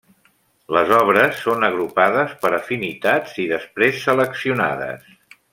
Les obres són agrupades per afinitats i després seleccionades.